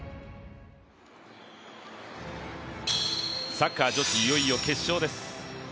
サッカー女子、いよいよ決勝です。